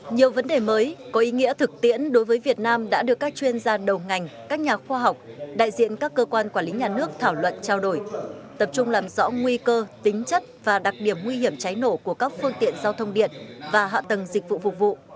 nhiều vấn đề mới có ý nghĩa thực tiễn đối với việt nam đã được các chuyên gia đầu ngành các nhà khoa học đại diện các cơ quan quản lý nhà nước thảo luận trao đổi tập trung làm rõ nguy cơ tính chất và đặc điểm nguy hiểm cháy nổ của các phương tiện giao thông điện và hạ tầng dịch vụ phục vụ